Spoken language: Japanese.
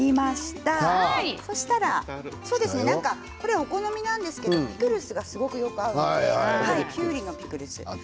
これは、お好みなんですけれどピクルスがすごくよく合うのできゅうりのピクルス。